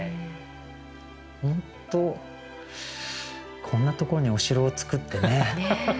本当こんなところにお城を造ってね。